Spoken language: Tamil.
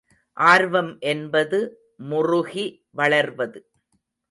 ஆர்வம் என்பது முறுகி வளர்வது.